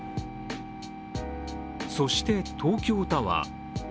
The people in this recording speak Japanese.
そして、東京タワー。